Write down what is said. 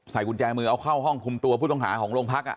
ใส่กุญแจมือเอาเข้าห้องคุมตัวพุทธองหาของโรงพรรค